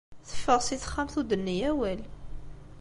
Teffeɣ si texxamt ur d-tenni awal.